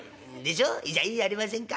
じゃいいじゃありませんか。